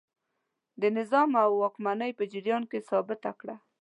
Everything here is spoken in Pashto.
د نظام او واکمنۍ په جریان کې ثابته کړه.